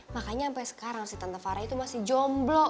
makanya sampai sekarang si tante farah itu masih jomblo